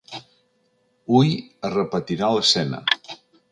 Hui es repetirà l’escena.